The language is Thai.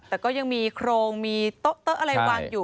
อย่างงั้นก็มีโครงมีเทอะอะไรวางอยู่